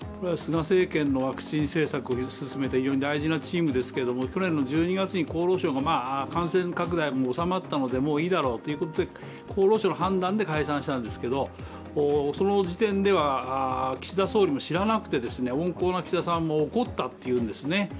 菅政権のワクチン政策を進めてきた大事なチームですけども非常に大事なチームですけれども、去年の１２月に厚生労働省が感染拡大も収まったのでもういいだろうということで厚労省の判断で解散したんですがその時点では、岸田総理も知らなくて、温厚な岸田さんも怒ったっていうんですね。